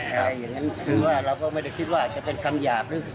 อะไรอย่างนั้นคือว่าเราก็ไม่ได้คิดว่าจะเป็นคำหยาบหรือ